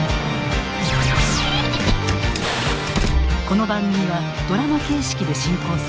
この番組はドラマ形式で進行する。